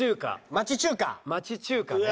町中華ね。